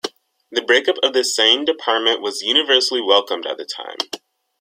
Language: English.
The breakup of the Seine department was universally welcomed at the time.